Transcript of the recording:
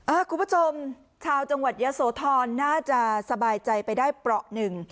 คุณผู้ชมชาวจังหวัดยะโสธรน่าจะสบายใจไปได้เปราะหนึ่ง